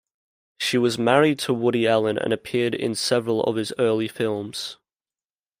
She was married to Woody Allen and appeared in several of his early films.